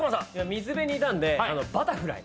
水辺にいたんでバタフライ。